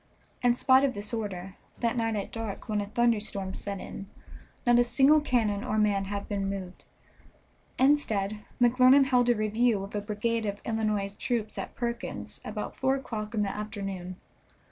In spite of this order, that night at dark, when a thunderstorm set in, not a single cannon or man had been moved. Instead, McClernand held a review of a brigade of Illinois troops at Perkins's about four o'clock in the afternoon.